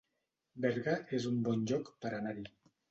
Berga es un bon lloc per anar-hi